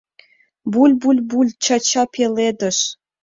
Буль-буль-буль — чача пеледыш